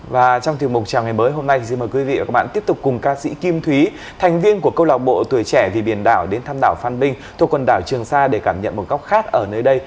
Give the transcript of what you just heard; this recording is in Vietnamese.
và trong tiểu mục chào ngày mới hôm nay xin mời quý vị và các bạn tiếp tục cùng ca sĩ kim thúy thành viên của câu lạc bộ tuổi trẻ vì biển đảo đến thăm đảo phan minh thuộc quần đảo trường sa để cảm nhận một góc khác ở nơi đây